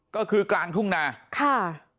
ก็คือกลางทุ่งนาค่ะ